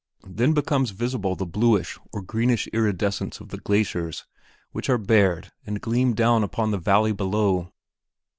Then becomes visible the bluish or greenish iridescence of the glaciers which are bared and gleam down upon the valley below.